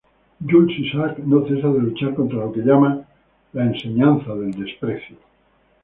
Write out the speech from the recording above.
Jules Isaac no cesa de luchar contra lo que llama: "la enseñanza del desprecio".